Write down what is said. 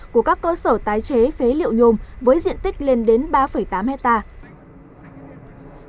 của các cơ sở tái chế phế liệu nhôm với diện tích lên đến ba tám hectare